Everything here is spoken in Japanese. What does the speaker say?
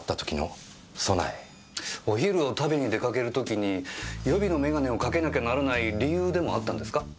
お昼を食べに出かける時に予備の眼鏡をかけなきゃならない理由でもあったんですか？